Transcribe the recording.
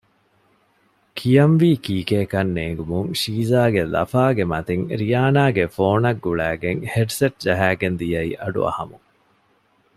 ކިޔަންވީ ކީކޭ ކަން ނޭނގުމުން ޝީޒާގެ ލަފާގެ މަތިން ރިޔާނާގެ ފޯނަށް ގުޅައިގެން ހެޑްސެޓް ޖަހައިގެން ދިޔައީ އަޑުއަހަމުން